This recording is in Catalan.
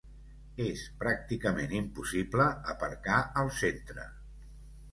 És pràcticament impossible aparcar al centre.